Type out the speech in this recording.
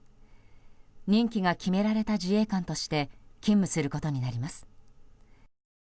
任期が決められた自衛官として勤務することになります。